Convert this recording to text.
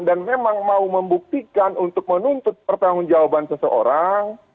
dan memang mau membuktikan untuk menuntut pertanggung jawaban seseorang